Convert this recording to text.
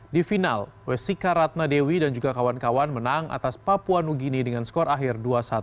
di final wessica ratna dewi dan juga kawan kawan menang atas papua nugini dengan skor akhir dua satu